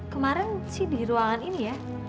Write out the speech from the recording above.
kemarin sih di ruangan ini ya